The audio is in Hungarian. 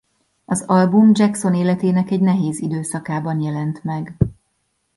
Az album Jackson életének egy nehéz időszakában jelent meg.